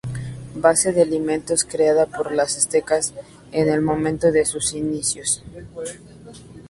Base de alimentos creada por los Aztecas en el momento de sus inicios.